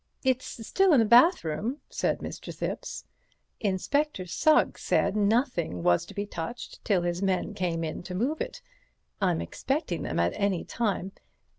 "It's still in the bathroom," said Mr. Thipps. "Inspector Sugg said nothing was to be touched till his men came in to move it. I'm expecting them at any time.